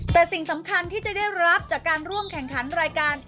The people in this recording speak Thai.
แต่สิ่งสำคัญที่จะได้รับจากการร่วมแข่งขันรายการ